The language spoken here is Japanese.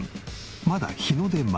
まだ日の出前。